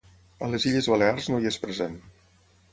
A les Illes Balears no hi és present.